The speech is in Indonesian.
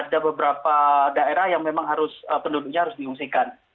ada beberapa daerah yang memang harus penduduknya harus diungsikan